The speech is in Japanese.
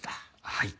はい。